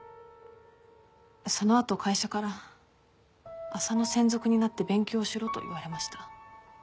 そのあと会社から浅野専属になって勉強しろと言われました。